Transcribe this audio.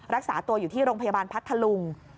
รักษาตัวอยู่ที่โรงพยาบาลพัทธลุง